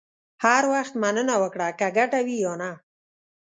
هر وخت مننه وکړه، که ګټه وي یا نه.